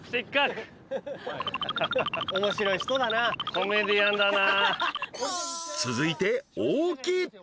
コメディアンだな。